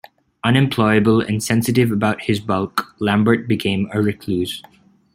Unemployable and sensitive about his bulk, Lambert became a recluse.